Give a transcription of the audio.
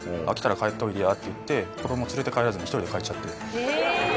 「飽きたら帰っておいでや」って言って子ども連れて帰らずに一人で帰っちゃって。